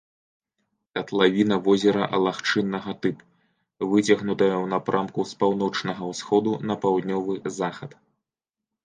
Катлавіна возера лагчыннага тып, выцягнутая ў напрамку з паўночнага ўсходу на паўднёвы захад.